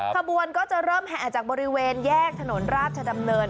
ขบวนก็จะเริ่มแห่จากบริเวณแยกถนนราชดำเนิน